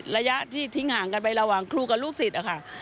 ระยะที่ทิ้งห่างกันไประหว่างครูกับลูกศิษย์ค่ะ